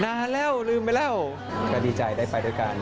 นานแล้วลืมไปแล้วก็ดีใจได้ไปด้วยกัน